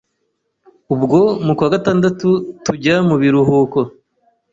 Ubwo mukwagatandatu tujya mubiruhuko.